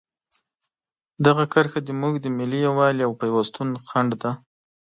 دغه کرښه زموږ د ملي یووالي او پیوستون خنډ ده.